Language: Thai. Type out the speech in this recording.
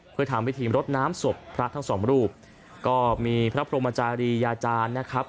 เพื่อทำพิธีรดน้ำศพพระทั้งสองรูปก็มีพระพรหมจารียาจารย์นะครับ